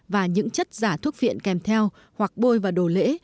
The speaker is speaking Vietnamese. và những chất giả thuốc viện kèm theo hoặc bôi vào đồ lễ